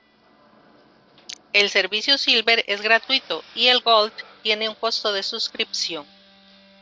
El servicio "Silver" es gratuito y el "Gold" tiene un costo de suscripción.